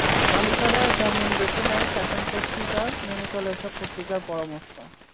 বালিকারা যেমন বেছে নেয় ফ্যাশন পত্রিকা, মেনে চলে এসব পত্রিকার পরামর্শ।